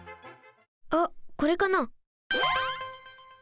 あっこれかな？